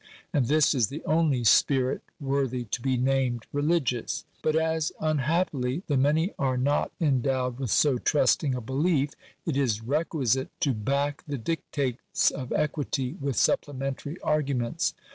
And this is the only spirit worthy to be named religious. But as, unhappily, the many are not endowed with so trusting a belief, it is requisite to back the dictates of equity with supplementary arguments.